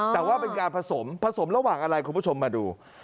แต่ว่าเป็นการผสมผสมระหว่างอะไรคุณผู้ชมมาดู